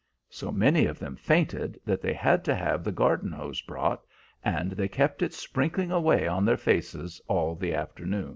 So many of them fainted that they had to have the garden hose brought, and they kept it sprinkling away on their faces all the afternoon.